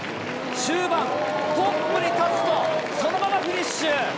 終盤、トップに立つと、そのままフィニッシュ。